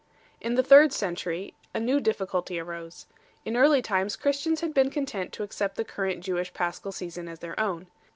In the third century a new difficulty arose. In early times Christians had been content to accept the current Jewish Paschal season as their own.